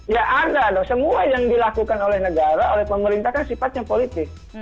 ya ada dong semua yang dilakukan oleh negara oleh pemerintah kan sifatnya politis